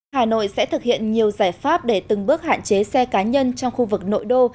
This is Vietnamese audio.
hà nội sẽ thực hiện nhiều giải pháp để từng bước hạn chế xe cá nhân trong khu vực nội đô